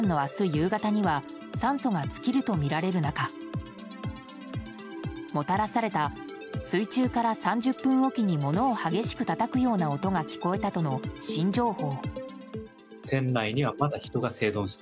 夕方には酸素が尽きるとみられる中もたらされた水中から３０分おきにものを激しくたたくような音が聞こえたとの新情報。